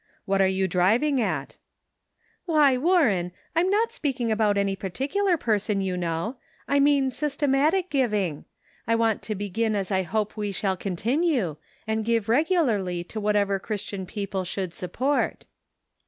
What are you driving at ?"" Why, Warren, I am not speaking about any particular person, you know ; I mean system The Sum Total 15 atic giving; I want to begin as I hope we shall continue, and give regularly to whatever Christian people should support."